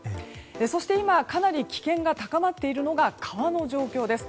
そして今、かなり危険が高まっているのが川の状況です。